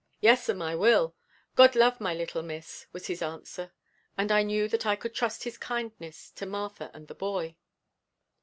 "Yes'm, I will. God love my little miss," was his answer, and I knew that I could trust his kindness to Martha and the boy.